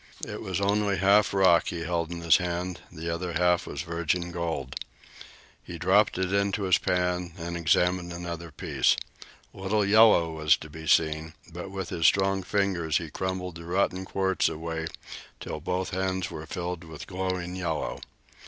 It was only half rock he held in his hand. The other half was virgin gold. He dropped it into his pan and examined another piece. Little yellow was to be seen, but with his strong fingers he crumbled the rotten quartz away till both hands were filled with glowing yellow.